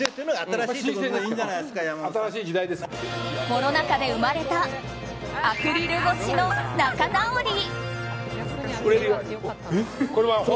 コロナ禍で生まれたアクリル越しの仲直り。